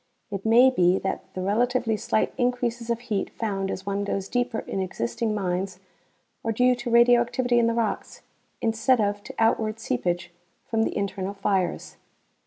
It may be that the relatively slight increases of heat found as one goes deeper in existing mines are due to radioactivity in the rocks instead of to outward seepage from the internal fires.